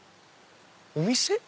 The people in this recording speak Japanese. お店？